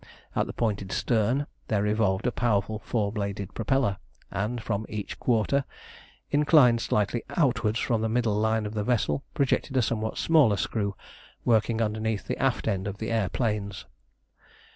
At the pointed stern there revolved a powerful four bladed propeller, and from each quarter, inclined slightly outwards from the middle line of the vessel, projected a somewhat smaller screw working underneath the after end of the air planes.